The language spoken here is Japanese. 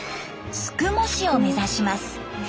宿毛市を目指します。